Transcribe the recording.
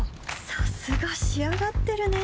さすが仕上がってるね